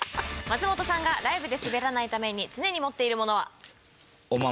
松本さんがライブでスベらないために常に持っているものは？